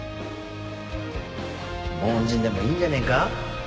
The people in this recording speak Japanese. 凡人でもいいんじゃねえか？